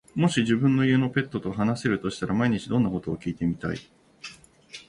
もし自分の家のペットと話せるとしたら、毎日どんなことを聞いてみたい？